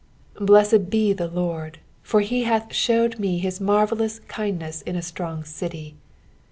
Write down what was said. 21 Blessed be the Lord : for he hath shewed me his marvellous kindness in a strong city.